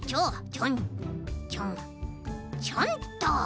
ちょんちょんちょんと。